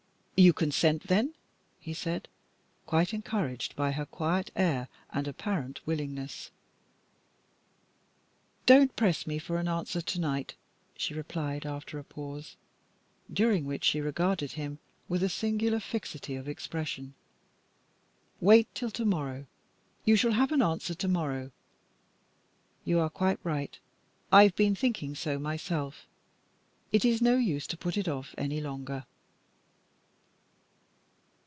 "You consent, then?" said he, quite encouraged by her quiet air and apparent willingness. "Don't press me for an answer to night," she replied, after a pause, during which she regarded him with a singular fixity of expression. "Wait till to morrow. You shall have an answer to morrow. You are quite right. I've been thinking so myself. It is no use to put it off any longer."